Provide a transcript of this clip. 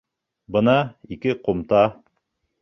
Бына ике ҡумта.